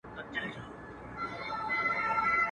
چاته غل چاته عسکر وو په نس موړ وو.